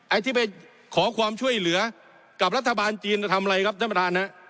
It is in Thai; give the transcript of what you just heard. ไอ้ที่ไปขอความช่วยเหลือกับรัฐบาลจีนจะทำอะไรครับท่านประธานฮะ